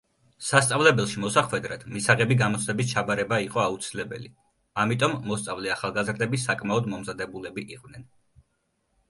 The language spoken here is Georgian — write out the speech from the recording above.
სასწავლებელში მოსახვედრად მისაღები გამოცდების ჩაბარება იყო აუცილებელი, ამიტომ მოსწავლე ახალგაზრდები საკმაოდ მომზადებულები იყვნენ.